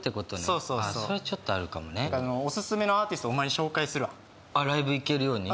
そうそうそうそれちょっとあるかもねオススメのアーティストお前に紹介するわあっライブ行けるように？